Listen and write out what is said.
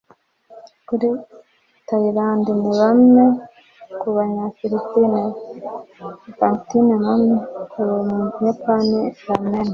Kuri Tayilande, ni ba mee; ku Banyafilipine, pancit mami & kumuyapani, ramen